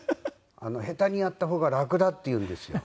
下手にやった方が楽だって言うんですよ。